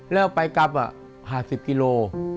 แล้วไปกลับอ่ะห้าสิบกิโล